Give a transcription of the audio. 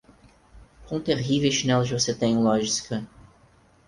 Quão terríveis chinelos você tem, Lojzka!